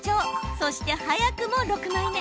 そして早くも６枚目。